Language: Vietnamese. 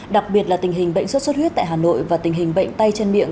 đặc biệt là tình hình bệnh xuất xuất huyết tại hà nội và tình hình bệnh tay trên miệng